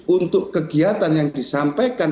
untuk kegiatan yang disampaikan